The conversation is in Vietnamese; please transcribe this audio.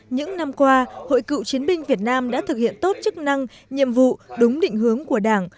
những năm qua hội cựu chiến binh việt nam đã thực hiện tốt chức năng nhiệm vụ đúng định hướng của đảng